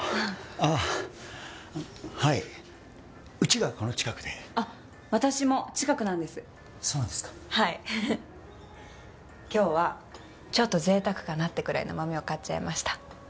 はいウチがこの近くであッ私も近くなんですそうなんですかはい今日はちょっと贅沢かなってくらいの豆を買っちゃいました